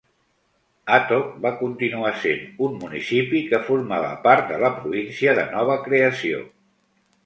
Atok va continuar sent un municipi que formava part de la província de nova creació.